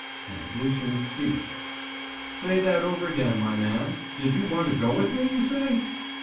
My ablutions ceased. "Say that over again, my man. Did you want to go with me, you say?"